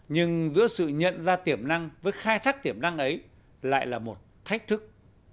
nhưng giữa sự nhận ra tiềm năng với khai thác tiềm năng ấy lại là một thách thức